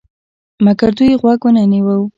مګر دوی غوږ ونه نیوی.